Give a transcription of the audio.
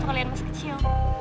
tentu kalian masih kecil